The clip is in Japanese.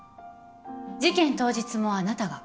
事件当日もあなたが？